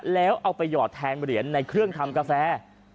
แล้วเอาไปหยอดแทนเหรียญในเครื่องทำกาแฟ